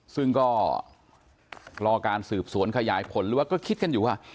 ซึ่งก็รอการสืบสวนขยายผลหรือว่าก็คิดกันอยู่ว่า